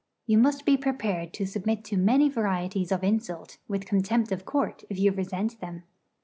You must be prepared to submit to many varieties of insult, with contempt of court if you resent them.